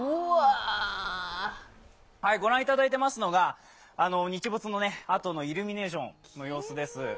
ご覧いただいていますのが、日没のあとのイルミネーションの様子です。